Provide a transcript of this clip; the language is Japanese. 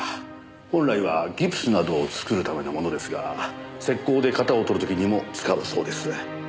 本来はギプスなどを作るためのものですが石膏で型を取る時にも使うそうです。